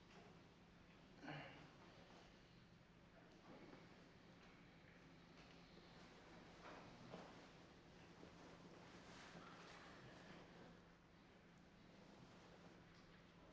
gak ada apa apa